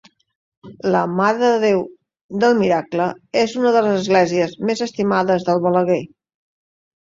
La Mare de Déu del Miracle és una de les esglésies més estimades del Balaguer.